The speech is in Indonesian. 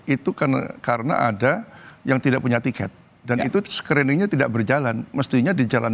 itu karena ada yang tidak punya tiket dan itu screeningnya tidak berjalan mestinya di jalan